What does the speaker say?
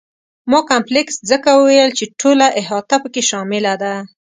ما کمپلکس ځکه وویل چې ټوله احاطه په کې شامله ده.